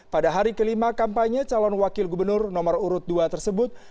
pada hari kelima kampanye calon wakil gubernur nomor urut dua tersebut